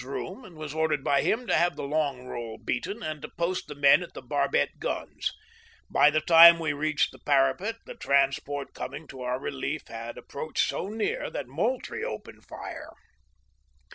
47 to Major Anderson's room, and was ordered by him to have the long roll beaten and to post the men at the barbette guns. By the time we reached the parapet the transport coming to our relief had approached so near that Moultrie opened fire.